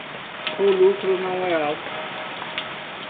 O lucro não é alto